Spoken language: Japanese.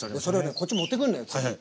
こっち持ってくんのよ次。